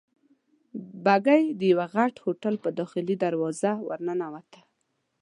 بګۍ د یوه غټ هوټل په داخلي دروازه ورننوتل.